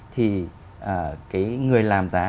thì cái người làm giá